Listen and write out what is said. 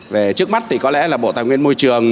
về trước mắt thì có lẽ là bộ tài nguyên môi trường